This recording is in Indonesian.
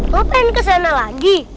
lo pengen ke sana lagi